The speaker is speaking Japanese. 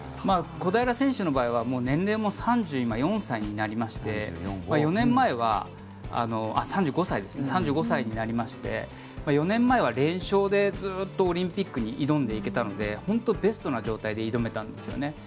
小平選手の場合は年齢も３４歳になりまして３５歳ですね３５歳になりまして４年前は連勝でずっとオリンピックに挑んでいけたので本当、ベストな状態で挑めたんですよね。